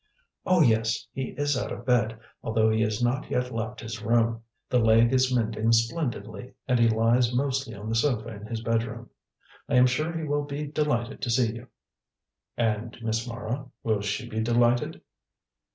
"Oh, yes. He is out of bed, although he has not yet left his room. The leg is mending splendidly, and he lies mostly on the sofa in his bedroom. I am sure he will be delighted to see you." "And Miss Mara? Will she be delighted?"